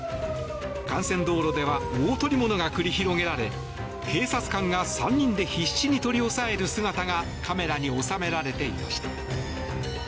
幹線道路では大捕物が繰り広げられ警察官が３人で必死に取り押さえる姿がカメラに収められていました。